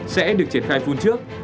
sẽ được triển khai phun trước